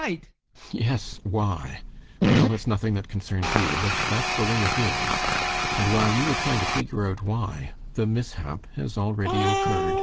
GUSTAV. Yes, why? Well, it's nothing that concerns you, but that's the way it is. And while you are trying to figure out why, the mishap has already occurred.